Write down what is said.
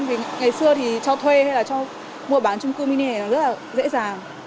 vì ngày xưa thì cho thuê hay là cho mua bán chung cư mini này rất là dễ dàng